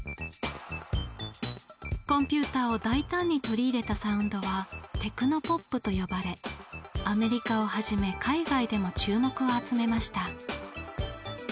コンピューターを大胆に取り入れたサウンドはテクノポップと呼ばれアメリカをはじめ海外でも注目を集めました。